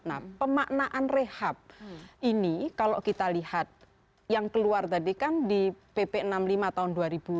nah pemaknaan rehab ini kalau kita lihat yang keluar tadi kan di pp enam puluh lima tahun dua ribu sembilan